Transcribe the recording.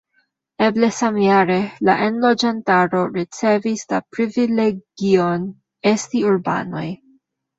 Eble samjare la enloĝantaro ricevis la privilegion esti urbanoj.